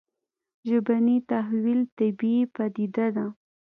ژبني تحول طبیعي پديده ده